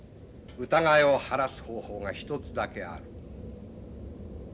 疑いを晴らす方法が一つだけある。